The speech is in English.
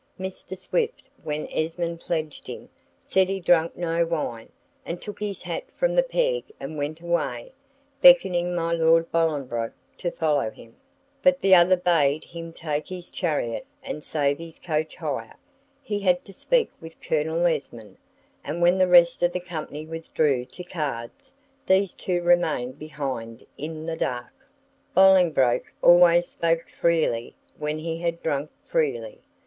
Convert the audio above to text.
Mr. Swift, when Esmond pledged him, said he drank no wine, and took his hat from the peg and went away, beckoning my Lord Bolingbroke to follow him; but the other bade him take his chariot and save his coach hire he had to speak with Colonel Esmond; and when the rest of the company withdrew to cards, these two remained behind in the dark. Bolingbroke always spoke freely when he had drunk freely.